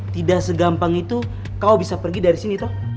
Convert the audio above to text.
tidak segampang itu kau bisa pergi dari sini toh